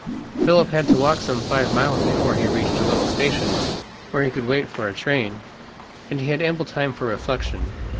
Philip had to walk some five miles before he reached a little station, where he could wait for a train, and he had ample time for reflection.